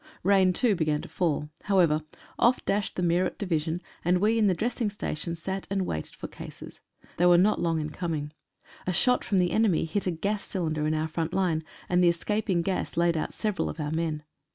Rain too began to fall. However, off dashed the Meerut Division, and we in the dressing station sat and waited the cases . They were not long in coming. A shot from the enemy hit a gas cylinder in our front line, and the escap ing gas laid out several of our men.